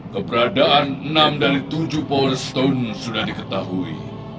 keberadaan enam dari tujuh power stone sudah diketahui